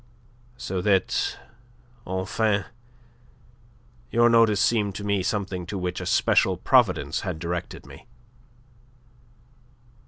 so that, enfin, your notice seemed to me something to which a special providence had directed me."